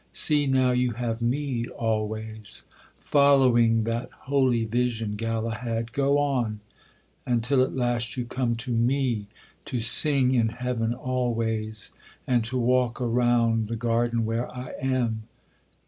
See now you have ME always; following That holy vision, Galahad, go on, Until at last you come to ME to sing In Heaven always, and to walk around The garden where I am.'